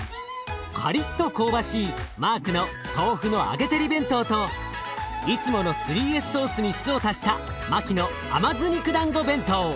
カリッと香ばしいマークの豆腐の揚げ照り弁当といつもの３Ｓソースに酢を足したマキの甘酢肉だんご弁当。